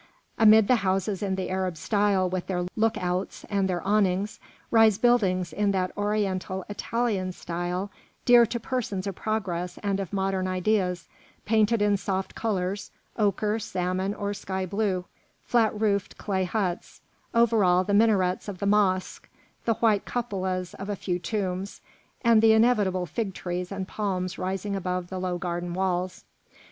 Amid the houses in the Arab style with their look outs and their awnings, rise buildings in that Oriental Italian style dear to persons of progress and of modern ideas, painted in soft colours, ochre, salmon, or sky blue; flat roofed clay huts; over all, the minarets of the mosque, the white cupolas of a few tombs, and the inevitable fig trees and palms rising above the low garden walls.